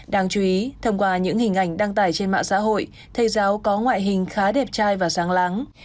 đáng chú ý thông qua những hình ảnh đăng tải trên mạng xã hội thầy giáo có ngoại hình khá đẹp trai và sáng lắng